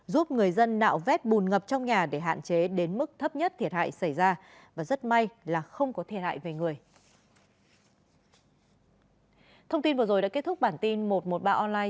giúp người dân nạo vét bùn ngập trong nhà để hạn chế đến mức thấp nhất thiệt hại xảy ra và rất may là không có thiệt hại về người